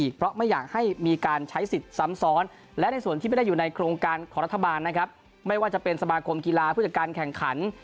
การกีฬาผู้จัดการแข่งขัน